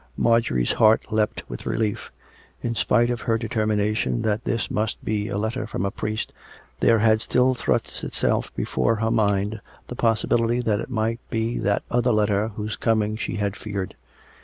Marjorie's heart leaped with relief. In spite of her de termination that this must be a letter from a priest, there had still thrust itself before her mind the possibility that it might be that other letter whose coming she had feared.